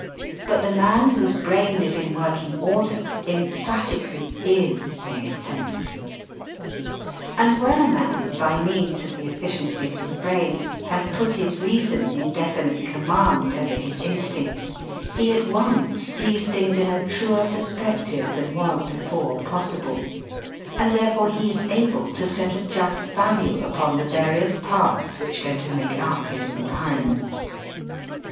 But the man whose brain is in working order emphatically is in his senses. And when a man, by means of the efficiency of his brain, has put his reason in definite command over his instincts, he at once sees things in a truer perspective than was before possible, and therefore he is able to set a just value upon the various parts which go to make up his environment.